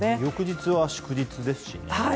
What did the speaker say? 翌日は祝日ですしね。